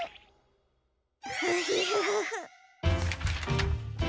フフフフフ。